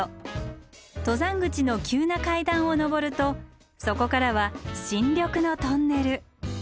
登山口の急な階段を登るとそこからは新緑のトンネル。